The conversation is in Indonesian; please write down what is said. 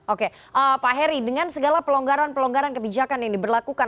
oke pak heri dengan segala pelonggaran pelonggaran kebijakan yang diberlakukan